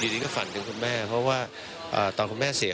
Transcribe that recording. จริงก็ฝันถึงคุณแม่เพราะว่าตอนคุณแม่เสีย